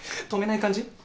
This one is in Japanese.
止めない感じ？